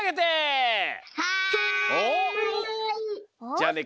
じゃあね